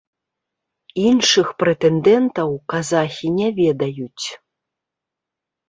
Іншых прэтэндэнтаў казахі не ведаюць.